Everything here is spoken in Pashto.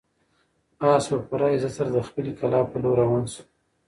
آس په پوره عزت سره د خپلې کلا په لور روان شو.